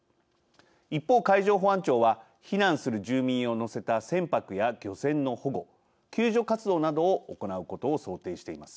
一方、海上保安庁は避難する住民を乗せた船舶や漁船の保護、救助活動などを行うことを想定しています。